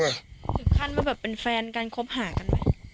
ถึงขั้นว่าแบบเป็นแฟนกันคบหากันไหม